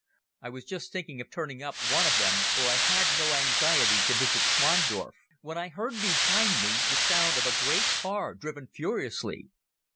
I was just thinking of turning up one of them, for I had no anxiety to visit Schwandorf, when I heard behind me the sound of a great car driven furiously.